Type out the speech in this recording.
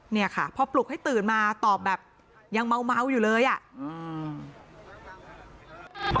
เนี่ยค่ะพอปลุกให้ตื่นมาตอบแบบยังเมาเมาอยู่เลยอ่ะอืม